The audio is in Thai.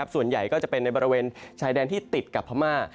ส่วนใหญ่ก็จะเป็นในบริเวณชายแดนที่ติดกับพม่า